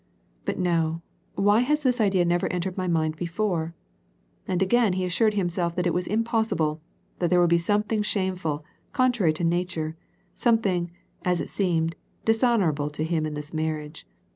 " But no, why has this idea never entered my mind before ?" And again he assured himself that it was impossible, that there would be something shameful, contrary to nature, some thing, as it seemed, dishonorable to him in this marriage.